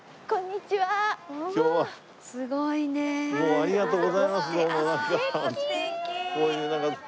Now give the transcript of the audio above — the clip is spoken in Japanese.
ありがとうございますどうも。